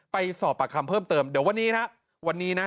ไปสอบปากคำเพิ่มเติมเดี๋ยววันนี้ฮะวันนี้นะ